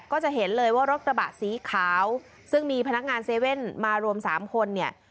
ก็จะเห็นเลยว่ารถกระบะสีขาวซึ่งมีพนักงาน๗๑๑มารวมสามคนเนี่ย